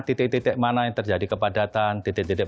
titik titik mana yang terjadi kepadatan titik titik